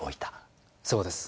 そうです。